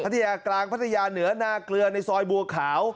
ฐกรฟัทยาเหนือณเกลือในซอยบัวขาว